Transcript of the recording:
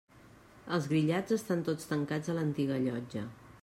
Els grillats estan tots tancats a l'antiga llotja.